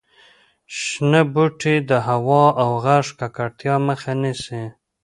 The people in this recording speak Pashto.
شنه بوټي د هوا او غږ د ککړتیا مخه نیسي.